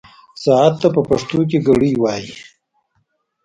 ساعت ته په پښتو کې ګړۍ وايي.